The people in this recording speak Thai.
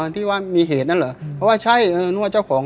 ที่ว่ามีเหตุนั้นเหรอเพราะว่าใช่เออนวดเจ้าของ